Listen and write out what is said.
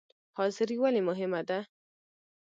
حاضري ولې مهمه ده؟